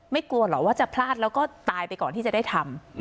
กลัวเหรอว่าจะพลาดแล้วก็ตายไปก่อนที่จะได้ทำ